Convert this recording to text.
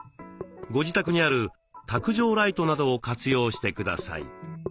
ご自宅にある卓上ライトなどを活用してください。